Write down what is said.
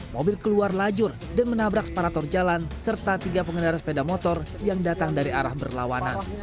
mobil keluar lajur dan menabrak separator jalan serta tiga pengendara sepeda motor yang datang dari arah berlawanan